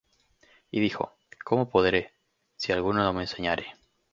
Y dijo: ¿Y cómo podré, si alguno no me enseñare?